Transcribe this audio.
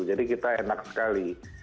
jadi kita enak sekali